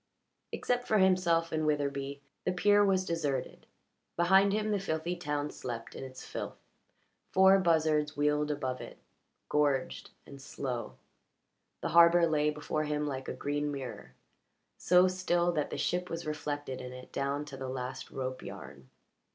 Except for himself and Witherbee the pier was deserted; behind him the filthy town slept in its filth. Four buzzards wheeled above it, gorged and slow; the harbour lay before him like a green mirror, so still that the ship was reflected in it down to the last rope yarn.